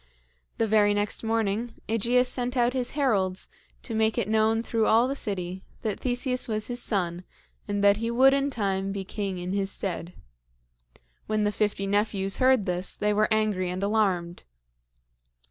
The very next morning, AEgeus sent out his heralds, to make it known through all the city that Theseus was his son, and that he would in time be king in his stead. When the fifty nephews heard this, they were angry and alarmed.